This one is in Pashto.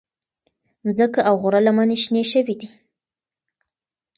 مځکه او غره لمنې شنې شوې دي.